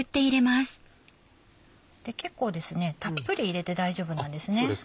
結構たっぷり入れて大丈夫なんですね。